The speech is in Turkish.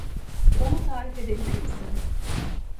Onu tarif edebilir misin?